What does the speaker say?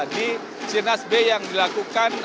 di sirnas b yang dilakukan